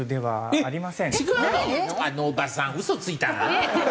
あのおばさん嘘ついたな！